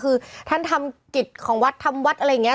คือท่านทำกิจของวัดทำวัดอะไรอย่างนี้